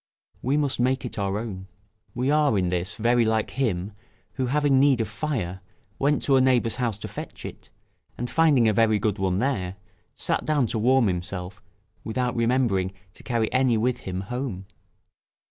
We must make it our own. We are in this very like him, who having need of fire, went to a neighbour's house to fetch it, and finding a very good one there, sat down to warm himself without remembering to carry any with him home.